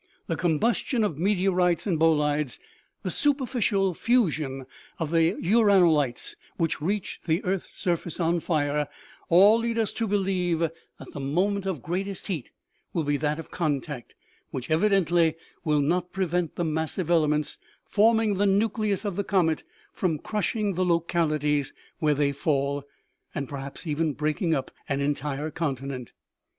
The combustion of meteorites and bolides, the superficial fusion of the uranolites which reach the earth's surface on fire, all lead us to believe that the moment of greatest heat will be that of contact, which evidently will not prevent the massive elements forming the nucleus of the comet from crushing the localities where they fall, and perhaps even breaking up an entire continent.